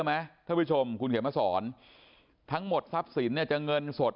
ใช่ยังไงท่านผู้ชมคุณข้อมาสอนทั้งหมดทรัพย์สินจะเงินสด